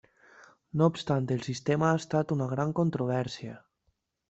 No obstant el sistema ha estat una gran controvèrsia.